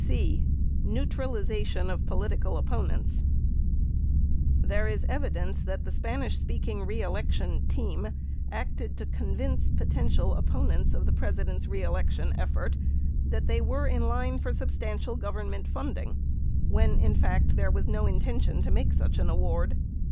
2 c. " Neutralisation " of Potential Opponents There is evidence that the Spanish speaking re election "team" acted to convince potential opponents of the President's re election effort that they were in line for substantial Government funding, _ when, in fact, there was no intention to make such an award.